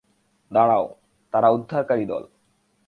দাঁড়াও, তারা উদ্ধারকারী দল।